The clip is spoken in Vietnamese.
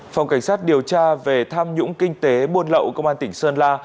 phòng cảnh sát điều tra về tham nhũng kinh tế buôn lậu công an tỉnh sơn la